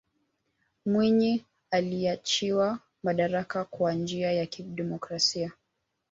mwinyi aliachiwa madaraka kwa njia ya kidemokrasia